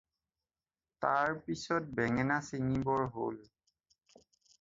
তাৰ পিছত বেঙেনা ছিঙিবৰ হ'ল।